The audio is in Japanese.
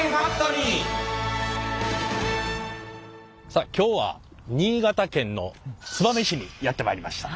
さあ今日は新潟県の燕市にやって参りました。